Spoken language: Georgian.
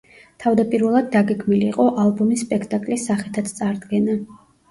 თავდაპირველად დაგეგმილი იყო ალბომის სპექტაკლის სახითაც წარდგენა.